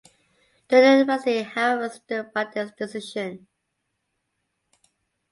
The university however stood by their decision.